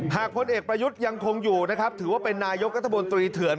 หากพ่อเอกประยุทธ์ยังคงอยู่ถือว่าเป็นนายกัฎธรรมตรีเถื่อน